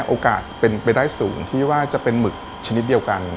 โอกาสเป็นไปได้สูงที่ว่าจะเป็นหมึกชนิดเดียวกัน